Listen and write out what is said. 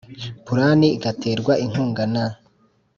Plan igaterwa inkunga na